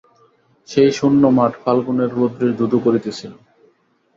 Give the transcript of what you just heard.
সেই শূন্য মাঠ ফাল্গুনের রৌদ্রে ধুধু করিতেছিল।